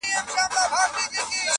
هی توبه چي ورور له ورور څخه پردی سي؛